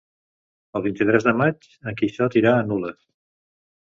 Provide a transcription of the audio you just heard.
El vint-i-tres de maig en Quixot irà a Nules.